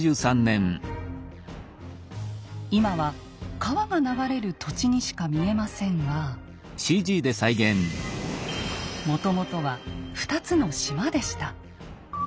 今は川が流れる土地にしか見えませんがもともとは２つの島でした。